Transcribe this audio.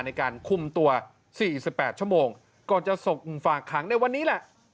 ในการคุมตัว๔๘ชั่วโมงก่อนจะส่งฝากขังในวันนี้แหละ